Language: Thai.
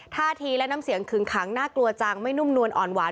ท่าทีและน้ำเสียงขึงขังน่ากลัวจังไม่นุ่มนวลอ่อนหวาน